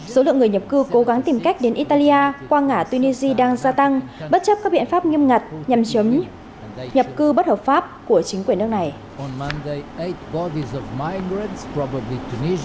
số lượng người nhập cư cố gắng tìm cách đến italia qua ngã tunisia đang gia tăng bất chấp các biện pháp nghiêm ngặt nhằm chấm nhập cư bất hợp pháp của chính quyền nước này